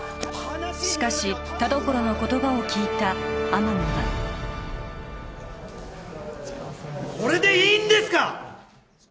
しかし田所の言葉を聞いた天海はこれでいいんですか？